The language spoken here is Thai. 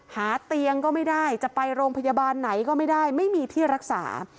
หาเตียงก็ไม่ได้จะไปโรงพยาบาลไหนก็ไม่ได้ไม่มีที่รักษา